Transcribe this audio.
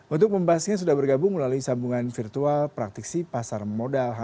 untuk membahasnya sudah bergabung melalui sambungan virtual praktisi pasar modal